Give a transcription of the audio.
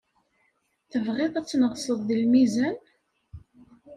Tebɣiḍ ad tneɣseḍ di lmizan?